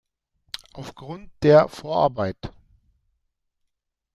Aufgrund der Vorarbeit.